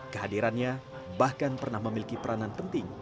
kehadirannya bahkan pernah memiliki peranan penting